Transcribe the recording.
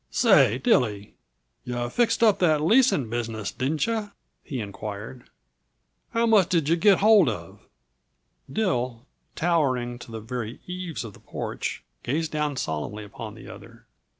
"Say, Dilly, yuh fixed up that leasing business, didn't yuh?" he inquired. "How much did yuh get hold of?" Dill, towering to the very eaves of the porch, gazed down solemnly upon the other.